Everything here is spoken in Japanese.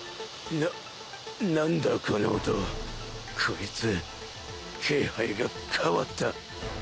な何だこの音圓海い帖気配が変わった